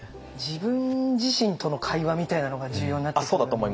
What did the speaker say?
自分自身との会話みたいなのが重要になってくるんですかね？